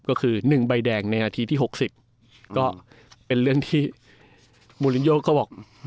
ก็คือ๑ใบแดงในนาทีที่๖๐ก็เป็นเรื่องที่มูลินโยก็บอก